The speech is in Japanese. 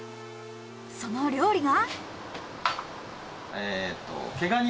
その料理が。